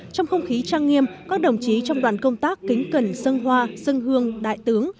trong không khí trang nghiêm các đồng chí trong đoàn công tác kính cẩn sân hoa sân hương đại tướng